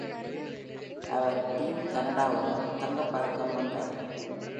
அவர் team கனடாவுடன் தங்கப்பதக்கம் வென்றார்.